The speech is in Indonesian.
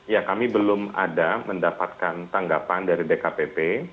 ya kami belum ada mendapatkan tanggapan dari dkpp